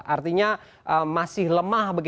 artinya masih lemah